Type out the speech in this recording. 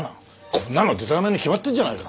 こんなのデタラメに決まってるじゃないか。